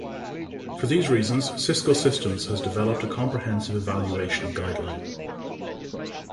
For these reasons Cisco Systems has developed a comprehensive evaluation guideline.